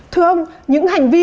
thưa ông những hành vi